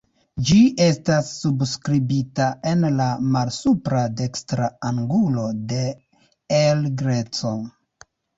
Ĝi estas subskribita en la malsupra dekstra angulo de El Greco.